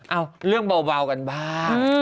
เอาเรื่องเบากันบ้าง